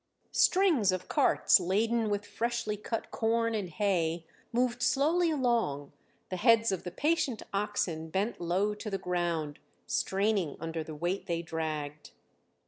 Strings of carts laden with freshly cut corn and hay moved slowly along, the heads of the patient oxen bent low to the ground, straining under the weight they dragged.